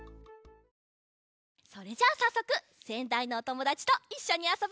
それじゃあさっそくせんだいのおともだちといっしょにあそぶよ！